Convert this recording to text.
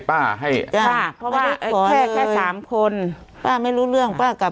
ป้าให้ค่ะเพราะว่าแค่แค่สามคนป้าไม่รู้เรื่องป้ากับ